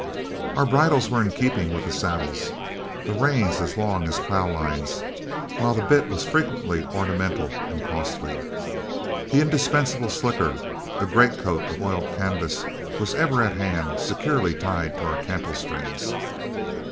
Our bridles were in keeping with the saddles, the reins as long as plough lines, while the bit was frequently ornamental and costly. The indispensable slicker, a greatcoat of oiled canvas, was ever at hand, securely tied to our cantle strings.